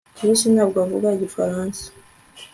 Chris ntabwo avuga igifaransa